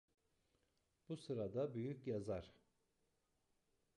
Bu sırada büyük yazar: